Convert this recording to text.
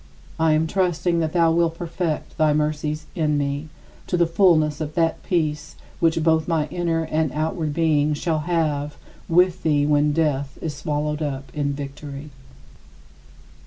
I am trusting that thou wilt perfect thy mercies in me, to the fullness of that peace which both my inner and outward being shall have with thee when death is swallowed up in victory.